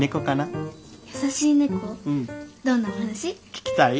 聞きたい？